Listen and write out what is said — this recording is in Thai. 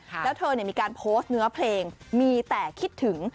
แล้วเธอมีการโพสต์เนื้อเพลงมีแต่คิดถึง